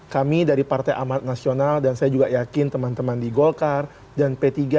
kami dari partai amanat nasional dan saya juga yakin teman teman di golkar dan p tiga